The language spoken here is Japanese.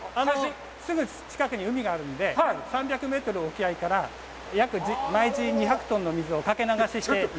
すぐ近くに海があるので、３００メートル沖合から約毎時２００トンの水をかけ流しして。